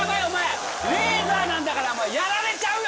レーザーなんだからやられちゃうよ